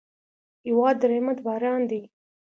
هېواد د رحمت باران دی.